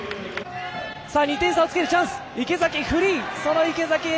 ２点差をつけるチャンス池崎、フリー！